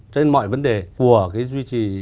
trên mọi vấn đề của cái duy trì